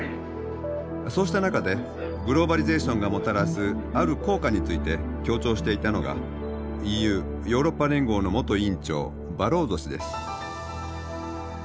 そうした中でグローバリゼーションがもたらすある効果について強調していたのがＥＵヨーロッパ連合の元委員長バローゾ氏です。